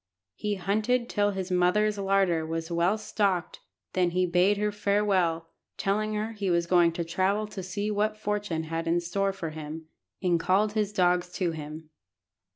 He hunted till his mother's larder was well stocked, then he bade her farewell, telling her he was going to travel to see what fortune had in store for him, and called his dogs to him.